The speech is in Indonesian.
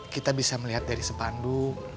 kita bisa melihat dari sepandu